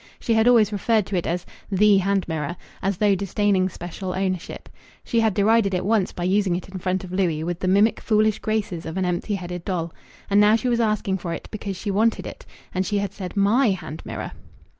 She had always referred to it as "the" hand mirror as though disdaining special ownership. She had derided it once by using it in front of Louis with the mimic foolish graces of an empty headed doll. And now she was asking for it because she wanted it; and she had said "my" hand mirror!